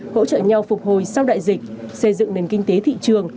hỗ trợ nhau phục hồi sau đại dịch xây dựng nền kinh tế thị trường